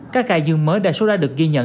các ca dương mới đa số ra được ghi nhận